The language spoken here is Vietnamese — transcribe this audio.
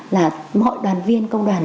là mọi đoàn viên công đoàn